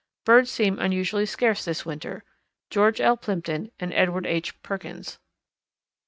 Birds seem unusually scarce this winter. GEORGE L. PLIMPTON and EDWARD H. PERKINS.